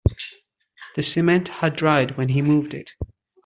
The cement had dried when he moved it.